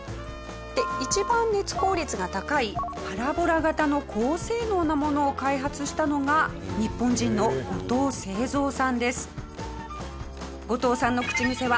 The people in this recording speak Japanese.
一番熱効率が高いパラボラ型の高性能なものを開発したのが日本人の五藤齊三さんです。